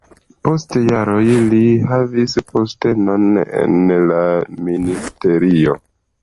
Post jaroj li havis postenon en la ministerio.